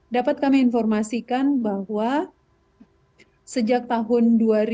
dapat kami informasikan bahwa sejak tahun dua ribu dua